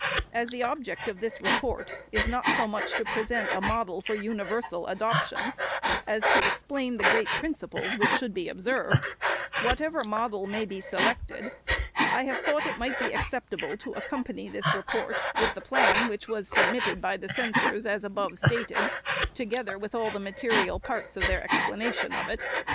As the object of this Report is, not so much to present a model for universal adoption, as to explain the great principles which should be observed, whatever model may be selected, I have thought it might be acceptable to accompany this Report with the " Plan " which was submitted by the censors as above stated, together with all the material parts of their explanation of it.